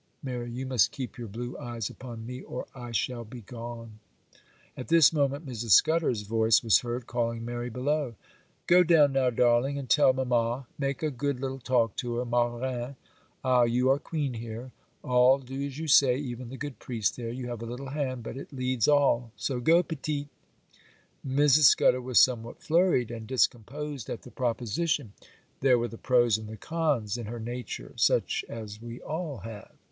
Mary, you must keep your blue eyes upon me, or I shall be gone.' At this moment Mrs. Scudder's voice was heard, calling Mary below. 'Go down now, darling, and tell mamma; make a good little talk to her, ma reine; ah, you are queen here; all do as you say, even the good priest there; you have a little hand, but it leads all; so go, petite.' Mrs. Scudder was somewhat flurried and discomposed at the proposition; there were the pros and the cons in her nature, such as we all have.